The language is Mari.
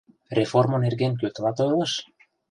— Реформо нерген кӧ тылат ойлыш?